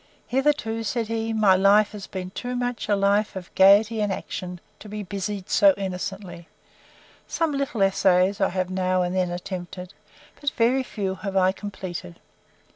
Hitherto, said he, my life has been too much a life of gayety and action, to be busied so innocently. Some little essays I have now and then attempted; but very few have I completed.